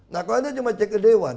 nah kalau anda cuma cek ke dewan